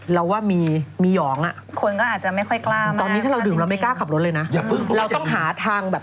เราว่ามีหยองอ่ะตอนนี้ถ้าเราดื่มเราไม่กล้าขับรถเลยนะเราต้องหาทาง